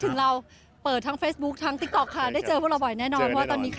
นะคะก็ยังติดตามได้นะคะ